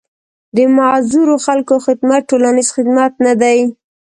د معذورو خلکو خدمت ټولنيز خدمت نه دی.